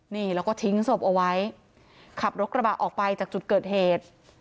นี่แล้วก็ทิ้งศพเอาไว้ขับรถกระบะออกไปจากจุดเกิดเหตุ